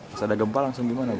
pas ada gempa langsung gimana